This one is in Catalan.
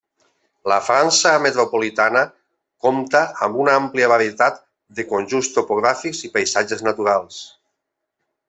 La França metropolitana compta amb una àmplia varietat de conjunts topogràfics i paisatges naturals.